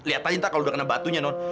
lihat aja ntar kalau udah kena batunya non